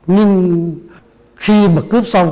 nhưng khi mà cướp xong